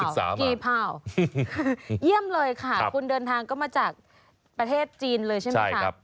กี่เผ่าเยี่ยมเลยค่ะคุณเดินทางก็มาจากประเทศจีนเลยใช่ไหมคะ